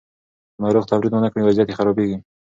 که ناروغ تمرین ونه کړي، وضعیت یې خرابیږي.